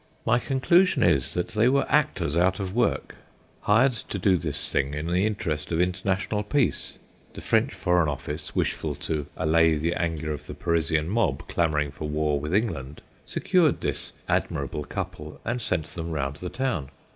My conclusion is that they were actors out of work, hired to do this thing in the interest of international peace. The French Foreign Office, wishful to allay the anger of the Parisian mob clamouring for war with England, secured this admirable couple and sent them round the town.